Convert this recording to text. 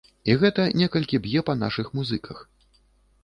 І гэта некалькі б'е па нашых музыках.